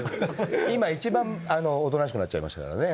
今一番おとなしくなっちゃいましたからね。